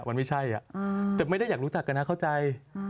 มันไม่ใช่แต่ไม่ได้อยากรู้จักกันนะเข้าใจ